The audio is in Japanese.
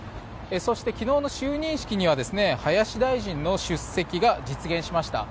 そして昨日の就任式には林大臣の出席が実現しました。